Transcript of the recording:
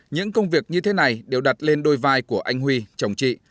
những công việc như thế này đều đặt lên đôi vai của anh huy chồng chị